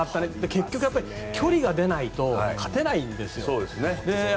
結局、距離が出ないと勝てないんですよ。